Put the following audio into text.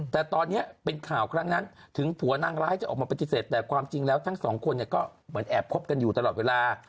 แต่ตอนนี้เป็นข่าวครั้งนั้นถึงผัวนางร้ายจะออกมาปฏิเสธแต่ความจริงแล้วทั้งสองคนเนี่ยก็เหมือนแอบคบกันอยู่ตลอดเวลา